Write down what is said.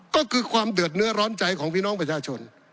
ก็คือความเดือดเนื้อร้อนใจของพี่น้องประชาชน